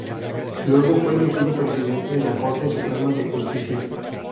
Luego fue elegido presidente de la Corte Suprema de Justicia.